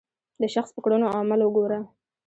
د شخص په کړنو او عمل وګوره.